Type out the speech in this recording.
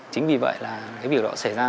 chính vì vậy cái việc đó xảy ra